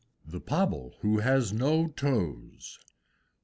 THE POBBLE WHO HAS NO TOES.